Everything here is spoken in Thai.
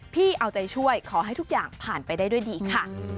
พี่เอาใจช่วยขอให้ทุกอย่างผ่านไปได้ด้วยดีค่ะ